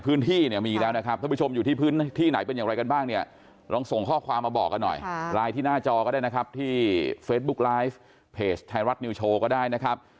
เพจไทยรัฐนิวโชว์ก็ได้นะครับ